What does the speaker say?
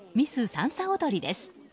さんさ踊りです。